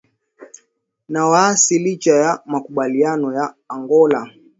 na waasi licha ya makubaliano ya Angola